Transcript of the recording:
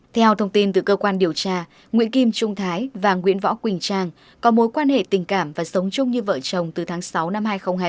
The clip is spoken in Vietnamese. theo thông tin từ cơ quan điều tra nguyễn kim trung thái và nguyễn võ quỳnh trang có mối quan hệ tình cảm và sống chung như vợ chồng từ tháng sáu năm hai nghìn hai mươi hai